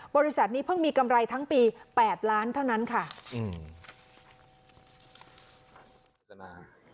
บริษัทนี้เพิ่งมีกำไรทั้งปี๘ล้านเท่านั้นค่ะอืม